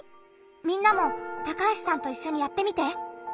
みんなも高橋さんといっしょにやってみて。